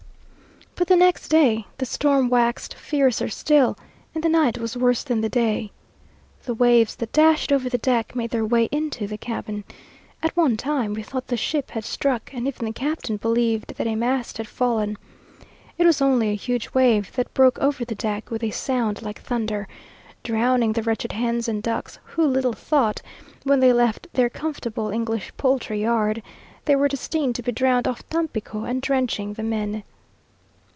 But the next day, the storm waxed fiercer still, and the night was worse than the day. The waves that dashed over the deck made their way into the cabin. At one time, we thought the ship had struck, and even the captain believed that a mast had fallen. It was only a huge wave that broke over the deck with a sound like thunder, drowning the wretched hens and ducks, who little thought, when they left their comfortable English poultry yard, they were destined to be drowned off Tampico and drenching the men.